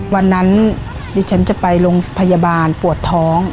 วันนั้นดิฉันจะไปโรงพยาบาลปวดท้อง